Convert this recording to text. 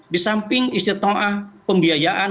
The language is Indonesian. disamping isi to'ah pembiayaan